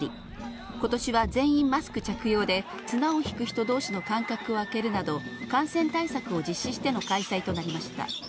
ことしは全員マスク着用で、綱を引く人どうしの間隔を空けるなど、感染対策を実施しての開催となりました。